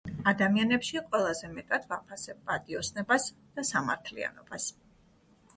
ადამიანებში ყველაზე მეტად ვაფასებ პატიოსნებას და სამართლიანობას.